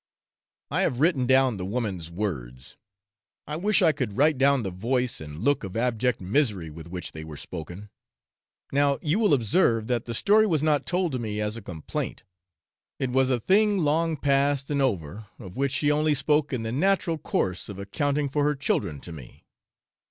I have written down the woman's words; I wish I could write down the voice and look of abject misery with which they were spoken. Now, you will observe that the story was not told to me as a complaint; it was a thing long past and over, of which she only spoke in the natural course of accounting for her children to me.